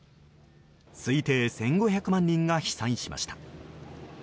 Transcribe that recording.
推定１５００万人が被災しました。